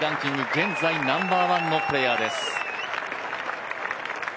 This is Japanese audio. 現在ナンバーワンのプレーヤーです。